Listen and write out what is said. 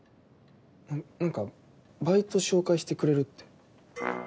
ななんかバイト紹介してくれるって。